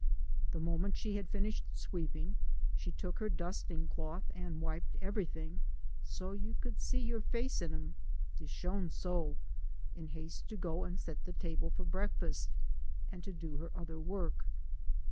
The moment she had O finished sweeping, she took her dusting cloth, and wiped everything " so you could see your fo.cc in 'em, de shone so," in haste to go and set the table for breakfast, and do her other work.